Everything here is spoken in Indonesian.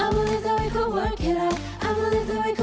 berbaring di dalam kamar tidurku